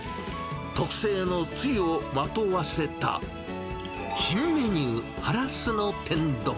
特製のつゆをまとわせた新メニュー、ハラスの天丼。